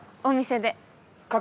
お店で。